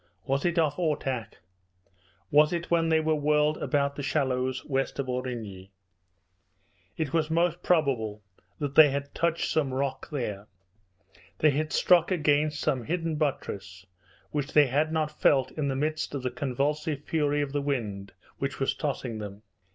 Was it off Ortach? Was it when they were whirled about the shallows west of Aurigny? It was most probable that they had touched some rock there. They had struck against some hidden buttress which they had not felt in the midst of the convulsive fury of the wind which was tossing them.